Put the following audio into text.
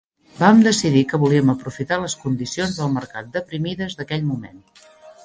Vam decidir que volíem aprofitar les condicions del mercat deprimides d'aquell moment.